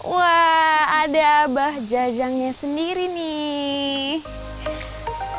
wah ada abah jajangnya sendiri nih